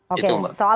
oke soal kedua